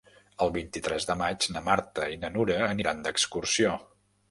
El vint-i-tres de maig na Marta i na Nura aniran d'excursió.